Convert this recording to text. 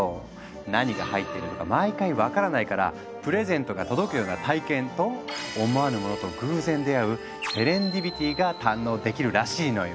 何が入ってるのか毎回分からないから「プレゼントが届くような体験」と「思わぬものと偶然出会うセレンディピティ」が堪能できるらしいのよ。